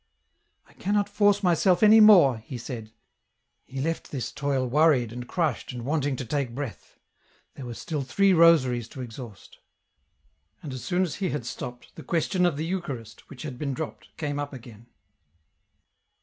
" I cannot force myself any more," he said. He left this toil worried and crushed and wanting to take breath ; there were still three rosaries to exhaust. And as soon as he had stopped, the question of the Eucharist, which had been dropped, came up again.